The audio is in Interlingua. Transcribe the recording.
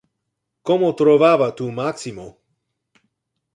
Como trovava tu Maximo?